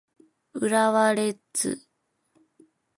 浦和レッズ